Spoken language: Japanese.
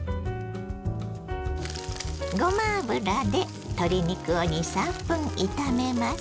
ごま油で鶏肉を２３分炒めます。